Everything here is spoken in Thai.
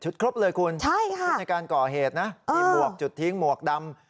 ครบเลยคุณใช่ค่ะชุดในการก่อเหตุนะมีหมวกจุดทิ้งหมวกดำ